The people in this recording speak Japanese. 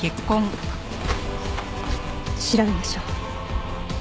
調べましょう。